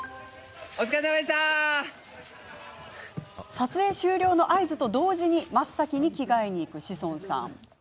撮影終了の合図と同時に真っ先に着替えに行く志尊さん。